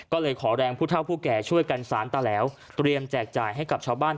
ก็เลยขอแรงผู้เท่าผู้แก่ช่วยกันสารตาแหลวเตรียมแจกจ่ายให้กับชาวบ้าน